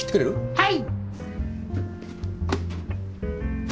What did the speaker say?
はい！